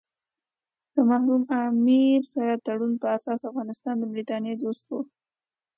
د مرحوم امیر سره تړون په اساس افغانستان د برټانیې دوست وو.